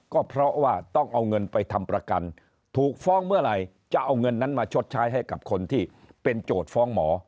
ก็เพราะว่าต้องเอาเงินไปทำประกันถูกฟ้องเมื่อไหร่จะเอาเงินนั้นมาชดใช้ให้กับคนที่เป็นโจทย์ฟ้องหมอ